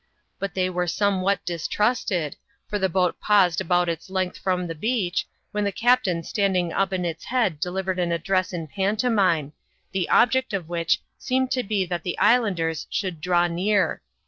But they were somewhat distrusted, for the boat paused about its length from the beach, when the captain standing up in its head de livered an address in pantomime, the object of which seemed to be that the islanders should draw near.